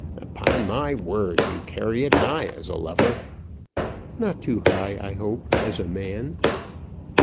"Upon my word you carry it high as a lover." "Not too high, I hope, as a man."